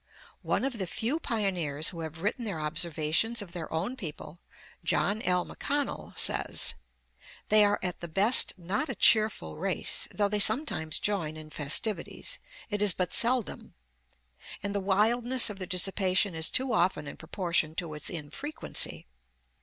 One of the few pioneers who have written their observations of their own people, John L. McConnell, says, "They are at the best not a cheerful race; though they sometimes join in festivities, it is but seldom, and the wildness of their dissipation is too often in proportion to its infrequency.